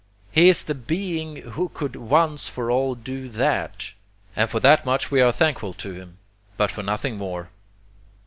He is the Being who could once for all do THAT; and for that much we are thankful to him, but for nothing more.